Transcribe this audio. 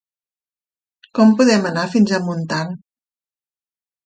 Com podem anar fins a Montant?